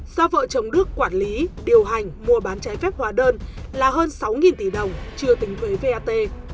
do vợ chồng đức quản lý điều hành mua bán trái phép hóa đơn là hơn sáu tỷ đồng chưa tính thuế vat